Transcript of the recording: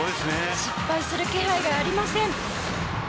失敗する気配がありません。